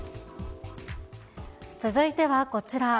続いてはこちら。